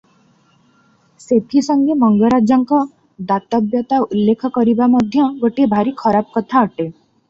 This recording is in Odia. ସେଥି ସଙ୍ଗେ ମଙ୍ଗରାଜଙ୍କ ଦାତବ୍ୟତା ଉଲ୍ଲେଖ କରିବା ମଧ୍ୟ ଗୋଟିଏ ଭାରି ଖରାପ କଥା ଅଟେ ।